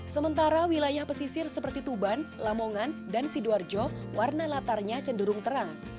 sementara wilayah pesisir seperti tuban lamongan dan sidoarjo warna latarnya cenderung terang